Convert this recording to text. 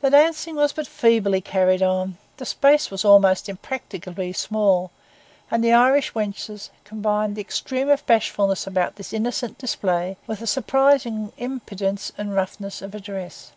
The dancing was but feebly carried on. The space was almost impracticably small; and the Irish wenches combined the extreme of bashfulness about this innocent display with a surprising impudence and roughness of address.